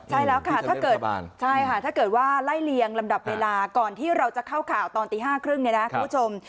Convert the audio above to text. ใช่แล้วค่ะถ้าเกิดว่าไล่เลียงลำดับเวลาก่อนที่เราจะเข้าข่าวตอนตี๕๓๐นี้นะคุณผู้ชม